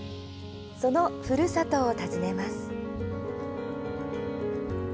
その、ふるさとを訪ねます。